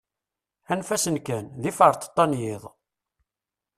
Anef-asen kan, d iferṭeṭṭa n yiḍ.